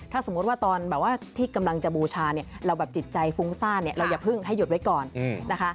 ถ้าสมมุติว่าตอนแบบว่าที่กำลังจะบูชาเนี่ยเราแบบจิตใจฟุ้งซ่าเนี่ยเราอย่าพึ่งให้หยุดไว้ก่อนนะคะ